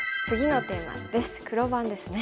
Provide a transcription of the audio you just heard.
黒番ですね。